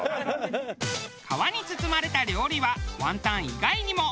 皮に包まれた料理はワンタン以外にも。